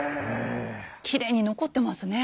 きれいに残ってますね。